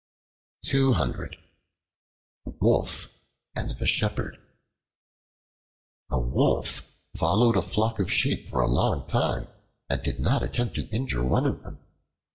The Wolf and the Shepherd A WOLF followed a flock of sheep for a long time and did not attempt to injure one of them.